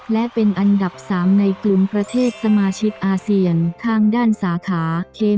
และเป็นอันดับ๓ในกลุ่มประเทศสมาชิกอาเซียนทางด้านสาขาเค